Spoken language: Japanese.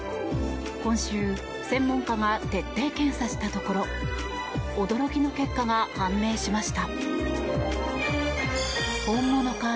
今週専門家が徹底検査したところ驚きの結果が判明しました。